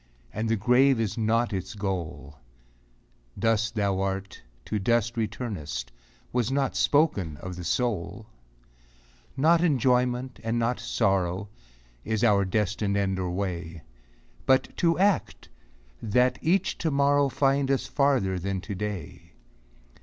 And the grave is not its goal ; Dust thou art, to dust returnest, Was not spoken of the soul. VOICES OF THE NIGHT. Not enjoyment, and not sorrow, Is our destined end or way ; But to act, that each to morrow Find us farther than to day.